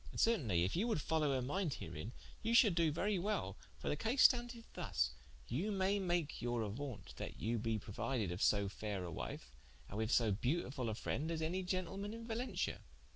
And certainly if you would followe her minde herein, you shall do very well: for the case standeth thus, you may make your auaunte that you be prouided of so faire a wife, and with so beautifull a frende as any gentleman in Valentia."